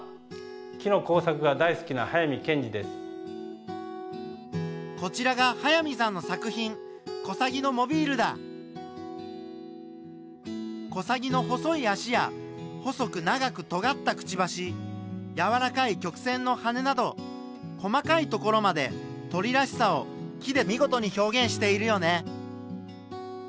木の工作が大好きなこちらが早見さんの作品コサギの細い足や細く長くとがったクチバシやわらかい曲線の羽など細かいところまで鳥らしさを木で見事に表現しているよね。